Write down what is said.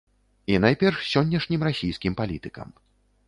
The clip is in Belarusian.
І найперш сённяшнім расійскім палітыкам.